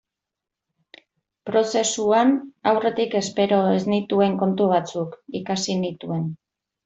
Prozesuan aurretik espero ez nituen kontu batzuk ikasi nituen.